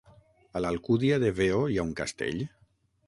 A l'Alcúdia de Veo hi ha un castell?